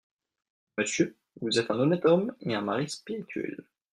Monsieur, vous êtes un honnête homme et un mari spirituel.